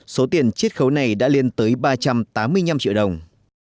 số tiền chiết khấu này đã lên tới ba trăm tám mươi năm triệu đồng